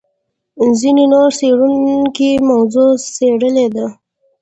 ځینې نور څېړونکي موضوع څېړلې ده.